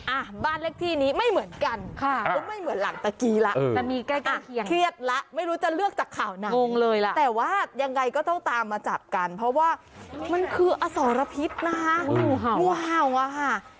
อ่ะบ้านเลขที่นี้ไม่เหมือนกันค่ะก็ไม่เหมือนหลังตะกี้แล้วจะมีใกล้เคียงเครียดแล้วไม่รู้จะเลือกจากข่าวไหนงงเลยล่ะแต่ว่ายังไงก็ต้องตามมาจับกันเพราะว่ามันคืออสรพิษนะคะงูเห่าอ่ะค่ะ